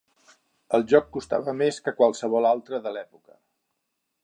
El joc costava més que qualsevol altre de l'època.